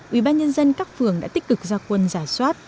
ubnd tp hà nội đã tích cực ra quân giả soát